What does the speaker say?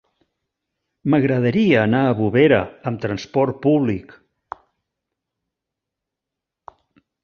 M'agradaria anar a Bovera amb trasport públic.